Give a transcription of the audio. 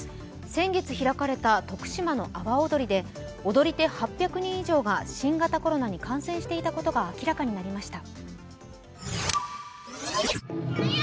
先月開かれた徳島の阿波おどりで踊り手８００人以上が新型コロナに感染していたことが明らかになりました。